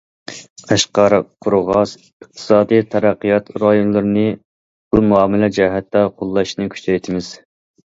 قەشقەر، قورغاس ئىقتىسادىي تەرەققىيات رايونلىرىنى پۇل مۇئامىلە جەھەتتە قوللاشنى كۈچەيتىمىز.